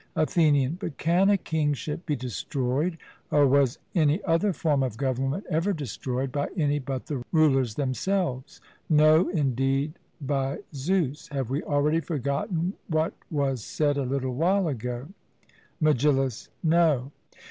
ATHENIAN: But can a kingship be destroyed, or was any other form of government ever destroyed, by any but the rulers themselves? No indeed, by Zeus. Have we already forgotten what was said a little while ago? MEGILLUS: No.